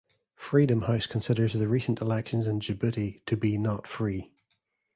Freedom House considers the recent elections in Djibouti to be "not free".